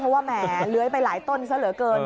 เพราะว่าแหมเลื้อยไปหลายต้นซะเหลือเกิน